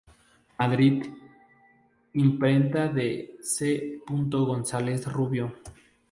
Madrid: Imprenta de C. González Rubio.